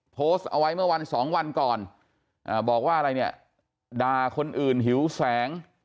โพสต์เอาไว้เมื่อวันสองวันก่อนบอกว่าอะไรเนี่ยด่าคนอื่นหิวแสง